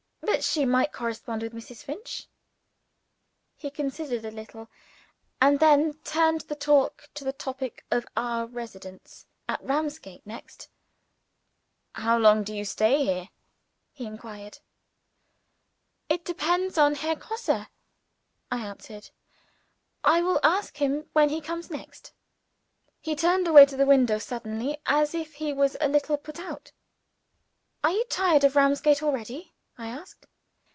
"But she might correspond with Mrs. Finch." He considered a little and then turned the talk to the topic of our residence at Ramsgate next. "How long do you stay here?" he inquired. "It depends on Herr Grosse," I answered. "I will ask him when he comes next." He turned away to the window suddenly, as if he was a little put out. "Are you tired of Ramsgate already?" I asked.